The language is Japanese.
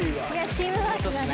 チームワークだね。